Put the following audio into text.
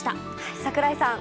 櫻井さん。